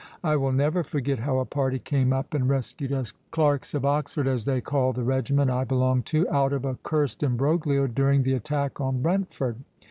I will never forget how a party came up and rescued us clerks of Oxford, as they called the regiment I belonged to, out of a cursed embroglio during the attack on Brentford.